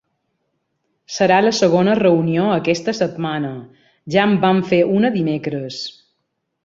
Serà la segona reunió aquesta setmana, ja en van fer una dimecres.